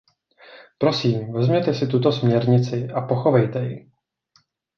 Prosím, vezměte si tuto směrnici a pochovejte ji.